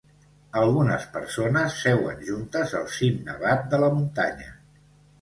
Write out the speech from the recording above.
Algunes persones seuen juntes al cim nevat de la muntanya.